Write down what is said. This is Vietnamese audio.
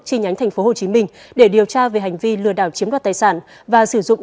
trên nhánh thành phố hồ chí minh để điều tra về hành vi lừa đảo chiếm đoạt tài sản và sử dụng